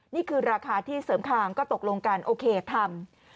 นี่คือราคาที่เสริมคางก็ตกลงกันโอเคทำ